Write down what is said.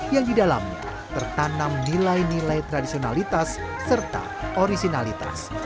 yang didalamnya tertanam nilai nilai tradisionalitas serta orisinalitas